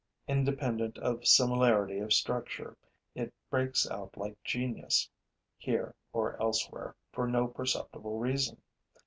Independent of similarity of structure, it breaks out like genius, here or elsewhere, for no perceptible reason.